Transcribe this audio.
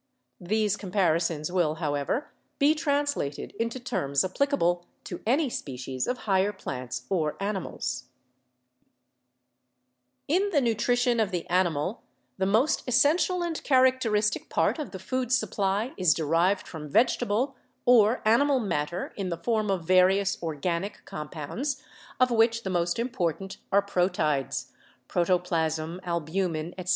These comparisons will, however, be translated into terms ap plicable to any species of higher plants or animals. LIFE PROCESSES 109 In the nutrition of the animal the most essential and characteristic part of the food supply is derived from vegetable or animal matter in the form of various organic compounds, of which the most important are proteids (protoplasm, albumen, etc.)